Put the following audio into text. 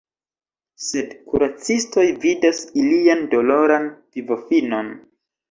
Sed kuracistoj vidas ilian doloran vivofinon.